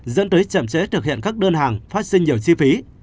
dẫn tới chậm trễ thực hiện các đơn hàng phát sinh nhiều chi phí